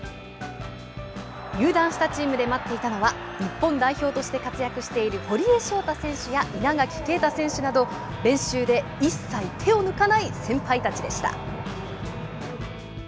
入団したチームで待っていたのは、日本代表として活躍している堀江翔太選手や、稲垣啓太選手など、練習で一切手を抜かない先輩たちでした。